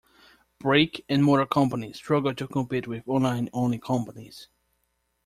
Brick and mortar companies struggle to compete with online only companies.